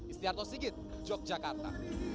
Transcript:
istiarto sigit yogyakarta